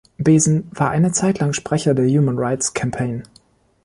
Besen war eine Zeit lang Sprecher der Human Rights Campaign.